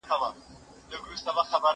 ډول په تیرا ږغیږي، مامندی پرکور ګډیږي.